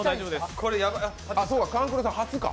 そうか、勘九郎さん、初か。